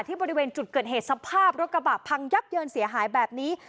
บริเวณจุดเกิดเหตุสภาพรถกระบะพังยับเยินเสียหายแบบนี้